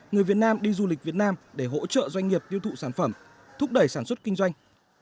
người việt nam đi du lịch việt nam để hỗ trợ doanh nghiệp tiêu thụ sản phẩm thúc đẩy sản xuất kinh doanh